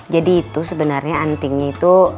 jadi itu sebenarnya antingnya itu